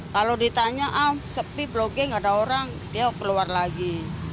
kalau ditanya ah sepi blok g nggak ada orang dia keluar lagi